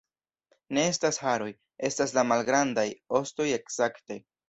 Ne estas haroj... estas la malgrandaj... ostoj, ekzakte